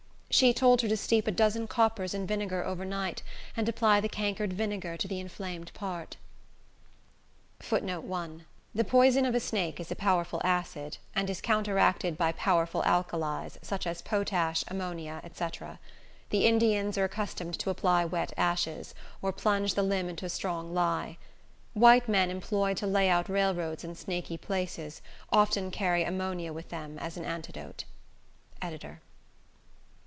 She told her to steep a dozen coppers in vinegar, over night, and apply the cankered vinegar to the inflamed part. [Footnote 1: The poison of a snake is a powerful acid, and is counteracted by powerful alkalies, such as potash, ammonia, &c. The Indians are accustomed to apply wet ashes, or plunge the limb into strong lie. White men, employed to lay out railroads in snaky places, often carry ammonia with them as an antidote.—EDITOR.